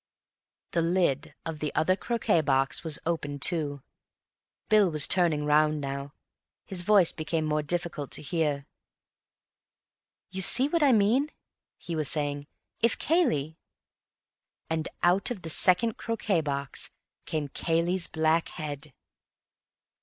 The lid of the other croquet box was open, too. Bill was turning round now; his voice became more difficult to hear. "You see what I mean," he was saying. "If Cayley—" And out of the second croquet box came Cayley's black head.